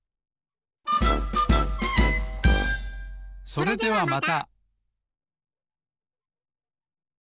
それではまた！